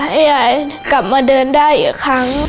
ให้ยายกลับมาเดินได้อีกครั้ง